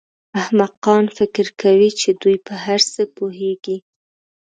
احمقان فکر کوي چې دوی په هر څه پوهېږي.